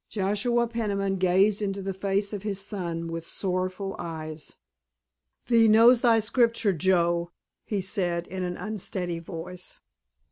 Joshua Peniman gazed into the face of his son with sorrowful eyes. "Thee knows thy Scripture, Joe," he said in an unsteady voice.